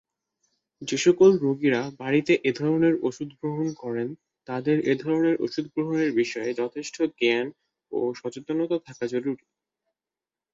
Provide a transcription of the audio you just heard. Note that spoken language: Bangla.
যেসকল রোগীরা বাড়িতে এ ধরনের ওষুধ গ্রহণ করেন তাদের এ ধরনের ওষুধ গ্রহণের বিষয়ে যথেষ্ট জ্ঞান ও সচেতনতা থাকা জরুরী।